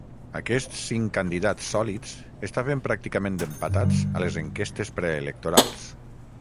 Aquests cinc candidats sòlids estaven pràcticament empatats a les enquestes preelectorals.